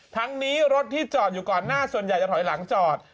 ทั้งนี้รถที่จอดอยู่ก่อนหน้าส่วนใหญ่จะถอยหลังจอด